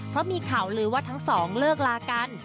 เพราะมีข่าวลือว่าทั้งสองเลิกลากัน